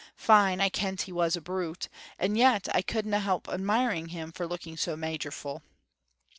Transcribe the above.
Fine I kent he was a brute, and yet I couldna help admiring him for looking so magerful.